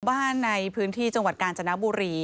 บ้านในพื้นที่จังหวัดกาญจนบุรี